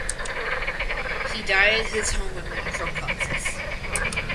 He died at his home of natural causes.